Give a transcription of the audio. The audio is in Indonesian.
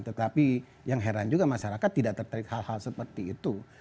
tetapi yang heran juga masyarakat tidak tertarik hal hal seperti itu